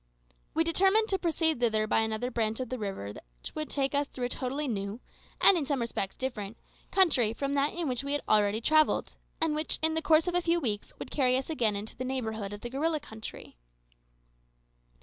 We determined to proceed thither by another branch of the river which would take us through a totally new, and in some respects different, country from that in which we had already travelled, and which, in the course of a few weeks, would carry us again into the neighbourhood of the gorilla country.